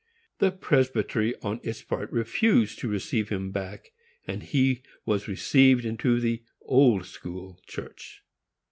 The presbytery, on its part, refused to receive him back, and he was received into the Old School Church.